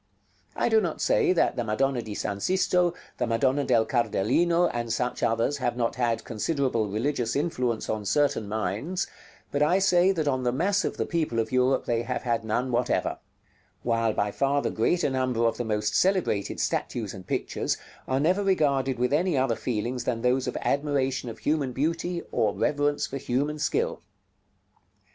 I do not say that the Madonna di S. Sisto, the Madonna del Cardellino, and such others, have not had considerable religious influence on certain minds, but I say that on the mass of the people of Europe they have had none whatever; while by far the greater number of the most celebrated statues and pictures are never regarded with any other feelings than those of admiration of human beauty, or reverence for human skill.